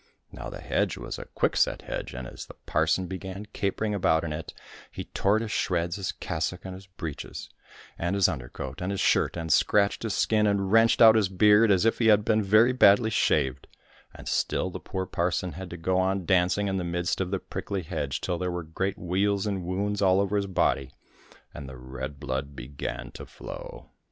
Now the hedge was a quickset hedge, and as the parson began capering about in it, he tore to shreds his cassock and his breeches, and his under coat, and his shirt, and scratched his skin and wrenched out his beard as if he had been very badly shaved, and still the poor parson had to go on dancing in the midst of the prickly hedge till there were great weals and wounds all over his body, and the red blood began to flow.